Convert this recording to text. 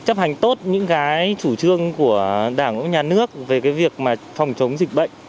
chấp hành tốt những cái chủ trương của đảng nhà nước về cái việc mà phòng chống dịch bệnh